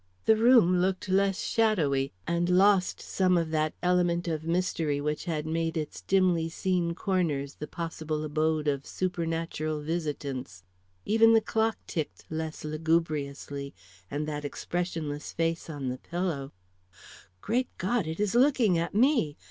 The room looked less shadowy, and lost some of that element of mystery which had made its dimly seen corners the possible abode of supernatural visitants. Even the clock ticked less lugubriously, and that expressionless face on the pillow Great God! it is looking at me!